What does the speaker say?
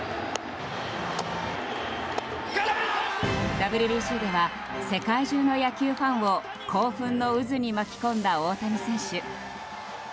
ＷＢＣでは世界中の野球ファンを興奮の渦に巻き込んだ大谷選手。